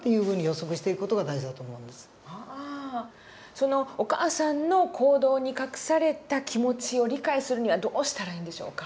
そのお母さんの行動に隠された気持ちを理解するにはどうしたらいいんでしょうか。